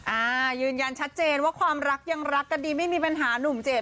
อ่ายืนยันชัดเจนว่าความรักยังรักกันดีไม่มีปัญหาหนุ่มเจด